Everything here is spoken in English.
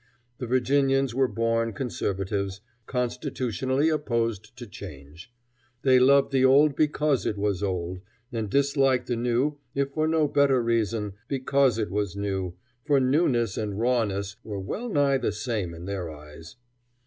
The Virginians were born conservatives, constitutionally opposed to change. They loved the old because it was old, and disliked the new, if for no better reason, because it was new; for newness and rawness were well nigh the same in their eyes.